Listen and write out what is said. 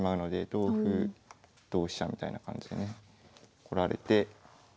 同歩同飛車みたいな感じでね来られて。